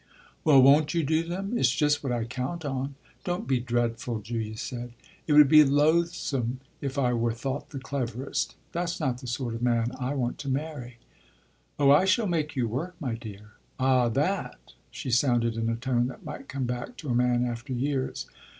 "Well, won't you do them? It's just what I count on." "Don't be dreadful," Julia said. "It would be loathsome if I were thought the cleverest. That's not the sort of man I want to marry." "Oh I shall make you work, my dear!" "Ah that !" she sounded in a tone that might come back to a man after years.